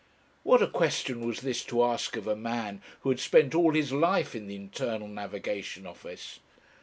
What a question was this to ask of a man who had spent all his life in the Internal Navigation Office!